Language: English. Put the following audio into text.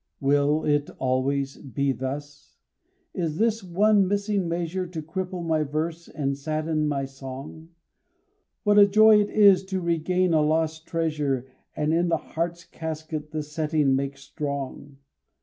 Will it always be thus? Is this one missing measure To cripple my verse and sadden my song? What a joy it is to regain a lost treasure And in the heart's casket the setting make strong.